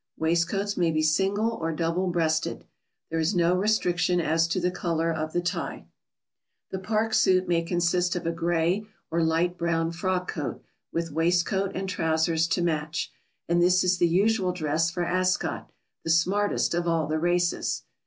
Waistcoats may be single or double breasted. There is no restriction as to the colour of the tie. [Sidenote: The Park suit.] The Park suit may consist of a grey or light brown frock coat, with waistcoat and trousers to match, and this is the usual dress for Ascot, the smartest of all the races.